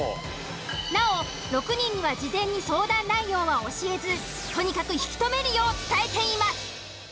なお６人には事前に相談内容は教えずとにかく引き止めるよう伝えています。